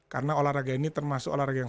karena olahraga ini termasuk olahraga yang